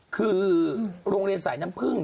คือโรงเรียนสายน้ำพึ่ง